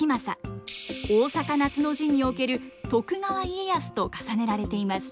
大坂夏の陣における徳川家康と重ねられています。